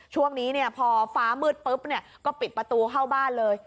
ช่วงนี้พอฟ้ามืดปุ๊บก็ปิดประตูเข้าบ้านเลย